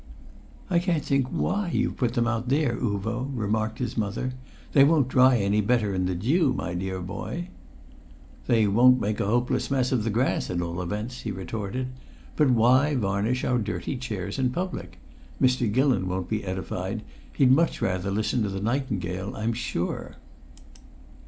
"I can't think why you've put them out there, Uvo," remarked his mother. "They won't dry any better in the dew, my dear boy." "They won't make a hopeless mess of the grass, at all events!" he retorted. "But why varnish our dirty chairs in public? Mr. Gillon won't be edified; he'd much rather listen to the nightingale, I'm sure."